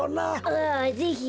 あぜひ。